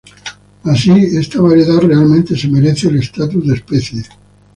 Así, esta variedad realmente se merece el estatus de especie.